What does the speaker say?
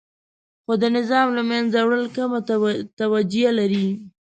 خو د نظام له منځه وړل کمه توجیه لري.